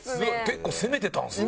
結構攻めてたんですね。